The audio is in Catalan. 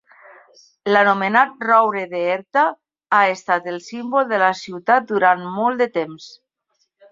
L'anomenat "roure de Herta" ha estat el símbol de la ciutat durant molt de temps.